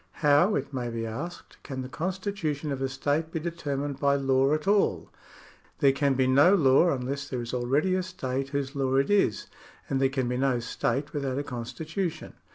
How, it may be asked, can the constitution of a state be determined by law at all ? There can be no law unless there is already a state whose law it is, and there can be no state without a constitution.